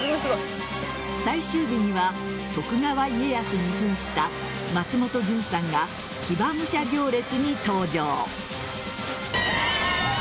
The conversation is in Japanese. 最終日には徳川家康に扮した松本潤さんが騎馬武者行列に登場。